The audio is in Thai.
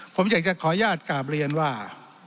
ผมอยากจะขออนุญาตกราบเรียนว่า